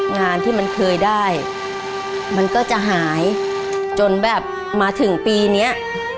งานที่มันเคยได้มันก็จะหายจนแบบมาถึงปีเนี้ย